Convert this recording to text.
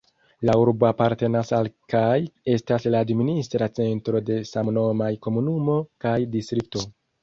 La urbo apartenas al kaj estas la administra centro de samnomaj komunumo kaj distrikto.